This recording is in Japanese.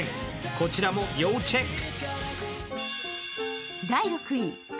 こちらも要チェック。